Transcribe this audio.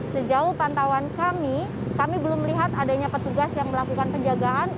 sejauh pantauan kami kami belum melihat adanya petugas yang melakukan penjagaan